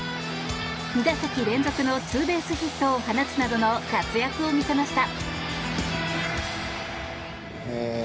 ２打席連続のツーベースヒットを放つなどの活躍を見せました。